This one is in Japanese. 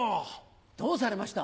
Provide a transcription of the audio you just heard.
どうされました？